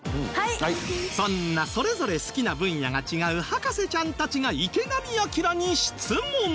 そんなそれぞれ好きな分野が違う博士ちゃんたちが池上彰に質問！